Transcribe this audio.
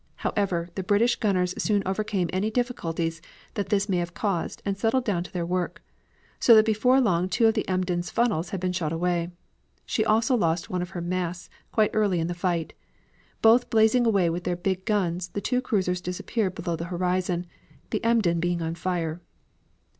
However, the British gunners soon overcame any difficulties that this may have caused, and settled down to their work, so that before long two of the Emden's funnels had been shot away. She also lost one of her masts quite early in the fight. Both blazing away with their big guns the two cruisers disappeared below the horizon, the Emden being on fire.